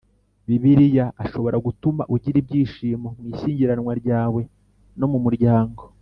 Bibiliya ashobora gutuma ugira ibyishimo mu ishyingiranwa ryawe no mu muryango